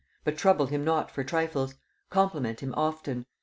But trouble him not for trifles. Compliment him often.